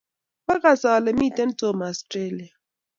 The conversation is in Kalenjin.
koagas ale mito Tom Australia